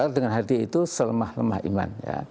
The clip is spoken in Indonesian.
kalau dengan hati itu selemah lemah iman